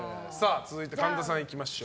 続いて、神田さんいきましょう。